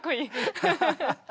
ハハハハハ。